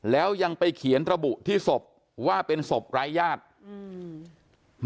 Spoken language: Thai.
แล้วยังไปเขียนระบุที่ศพว่าเป็นศพไร้ญาติอืม